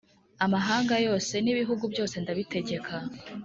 amahanga yose, n’ibihugu byose ndabitegeka